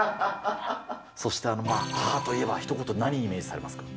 そして母といえばひと言、何をイメージされますか？